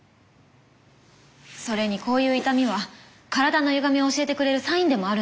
それにこういう痛みは体のゆがみを教えてくれるサインでもあるの。